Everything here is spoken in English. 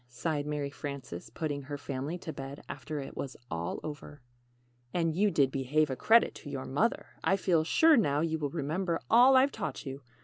sighed Mary Frances, putting her family to bed after it was all over. [Illustration: After it was all over.] "And you did 'behave a credit' to your mother. I feel sure now you will remember all I've taught you.